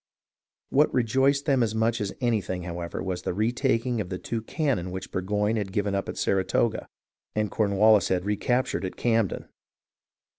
What rejoiced them as much as anything, however, was the retaking of the two cannon which Burgoyne had given up at Saratoga and Cornwallis had recaptured at Camden.